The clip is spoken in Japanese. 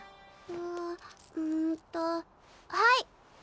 あんとはい！